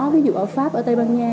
ví dụ ở pháp ở tây ban nha